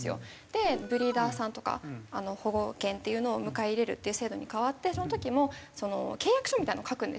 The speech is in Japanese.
ブリーダーさんとか保護犬っていうのを迎え入れるっていう制度に変わってその時も契約書みたいなのを書くんですよ。